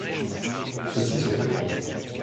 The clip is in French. Ceux-ci sont très grands.